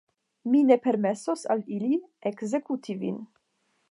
Mi ne permesos al ili ekzekuti vin.